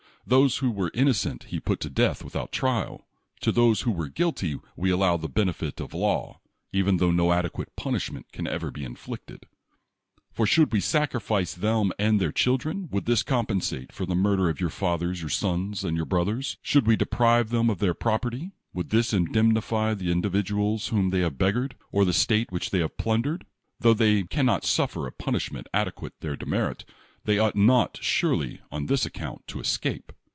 Those who were innocent he put to death without trial. To those who are guilty we allow the benefit of law, even tho no adequate punishment can ever be inflicted. For should we sacrifice them and their children, would this compensate for the murder of your fathers, your sons, and your brothers? Should we deprive them of their property, would this indemnify the individuals whom they have beggared, or the state which they have plun dered? Tho they can not suffer a punishment adequate to their demerit, they ought not, surely, on this account, to escape.